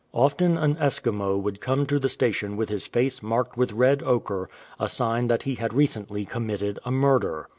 Often an Eskimo would come to the station with his face marked with red ochre, a sign that he had recently committed a murder.